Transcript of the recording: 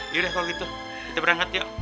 yaudah kalo gitu kita berangkat yuk